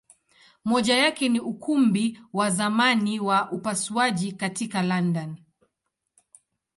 Moja yake ni Ukumbi wa zamani wa upasuaji katika London.